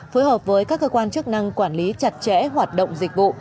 phối hợp với các cơ quan chức năng quản lý chặt chẽ hoạt động dịch vụ